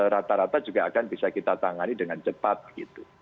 rata rata juga akan bisa kita tangani dengan cepat gitu